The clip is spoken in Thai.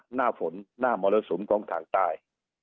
หน้าฝนหน้ามรสุมของทางใต้